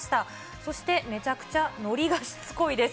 そしてめちゃくちゃノリがしつこいです。